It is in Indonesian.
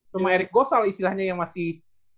cuma erick gossal istilahnya yang masih